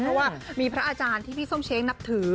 เพราะว่ามีพระอาจารย์ที่พี่ส้มเช้งนับถือ